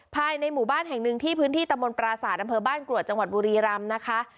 ภายในหมู่บ้านแห่งหนึ่งที่พื้นที่ตะมนตราศาสตร์อำเภอบ้านกรวดจังหวัดบุรีรำนะคะ